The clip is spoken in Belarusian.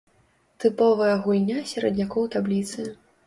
Тыповая гульня сераднякоў табліцы.